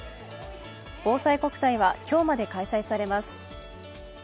ぼうさいこくたいは今日まで開催されます。